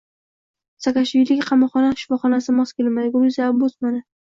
Saakashviliga qamoqxona shifoxonasi mos kelmaydi — Gruziya ombudsmani